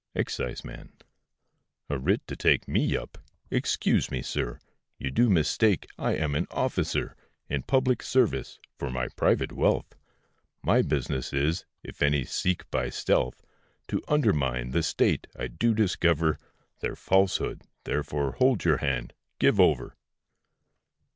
EXCISEMAN. A writ to take me up! excuse me, sir, You do mistake, I am an officer In public service, for my private wealth; My business is, if any seek by stealth To undermine the state, I do discover Their falsehood; therefore hold your hand,—give over.